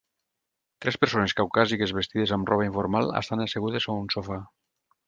Tres persones caucàsiques vestides amb roba informal estan assegudes a un sofà.